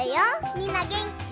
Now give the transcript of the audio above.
みんなげんき？